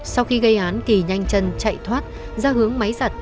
sau khi gây án kỳ nhanh chân chạy thoát ra hướng máy giặt